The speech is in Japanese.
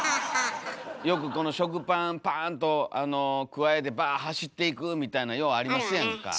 よく食パンパーンとくわえてバーッ走っていくみたいなんようありますやんか。